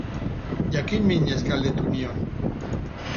Jakinminez galdetu nion.